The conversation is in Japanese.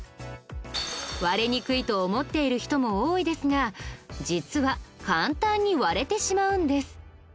割れにくいと思っている人も多いですが実は簡単に割れてしまうんです。